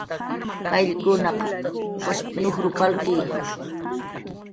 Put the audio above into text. "qayllkunaq washp"" nujruw palki"